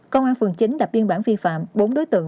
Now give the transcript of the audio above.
công an phường chín lập biên bản vi phạm bốn đối tượng